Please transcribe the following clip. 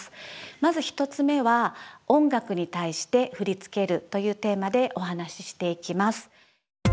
まず１つ目は「音楽に対して振り付ける」というテーマでお話ししていきます。